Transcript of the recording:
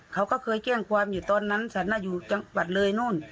เขาก็เคยแจ้งความอยู่ตอนนั้นฉันน่ะอยู่จังหวัดเลยนู่น